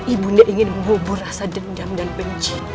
ibu nda ingin mengubur rasa dendam dan benci